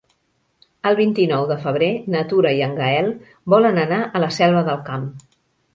El vint-i-nou de febrer na Tura i en Gaël volen anar a la Selva del Camp.